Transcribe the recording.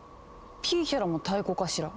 ピーヒャラも太鼓かしら？